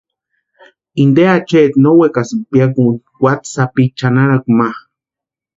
Inte achaeti no wekasïnti piakuni watsí sapini chʼanarakwa ma.